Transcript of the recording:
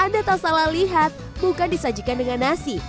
anda tak salah lihat bukan disajikan dengan nasi